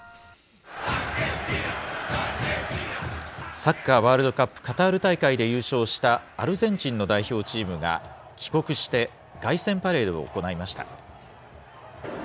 サッカーワールドカップカタール大会で優勝したアルゼンチンの代表チームが帰国して、凱旋パレードを行いました。